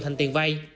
thành tiền vay